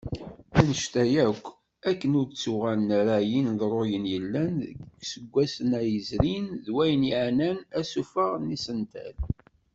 Annect-a yakk, akken ur d-ttuɣalen ara yineḍruyen yellan deg yiseggasen-a yezrin, d wayen yeɛnan asuffeɣ n yisental.